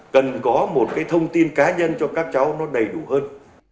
cần có một cái thông tin cá nhân cho các cháu nó đầy đủ hơn